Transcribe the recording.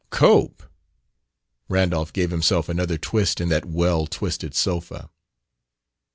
"Cope!" Randolph gave himself another twist in that well twisted sofa.